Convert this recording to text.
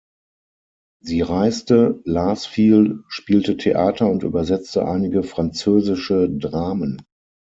Sie reiste, las viel, spielte Theater und übersetzte einige französische Dramen.